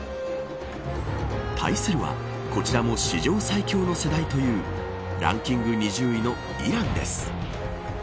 対するは、こちらも史上最強の世代というランキング２０位のイランです。